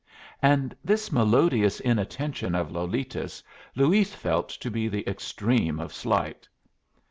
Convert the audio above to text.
And this melodious inattention of Lolita's Luis felt to be the extreme of slight.